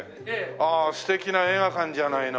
ああ素敵な映画館じゃないの。